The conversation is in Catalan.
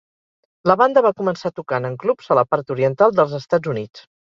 La banda va començar tocant en clubs a la part oriental dels Estats Units.